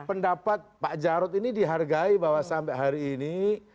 pendapat pak jarod ini dihargai bahwa sampai hari ini